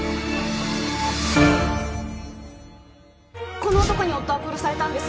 この男に夫は殺されたんです。